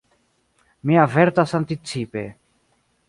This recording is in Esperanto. Mi avertas anticipe.